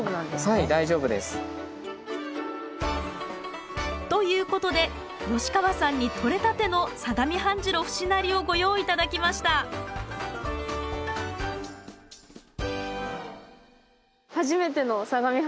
はい大丈夫です。ということで吉川さんにとれたての相模半白節成をご用意頂きました初めての相模半白節成です。